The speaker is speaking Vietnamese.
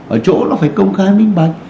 ở chỗ nó phải công khai minh bạc